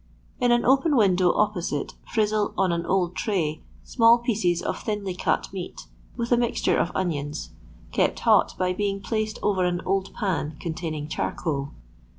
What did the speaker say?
In an open window opposite frizsle on an old tray, small pieces of thinly cut meat, with a mixture of onions, kept hot by being placed over an old pan containing charcoal.